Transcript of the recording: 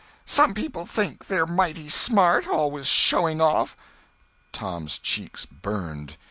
some people think they're mighty smart—always showing off!" Tom's cheeks burned.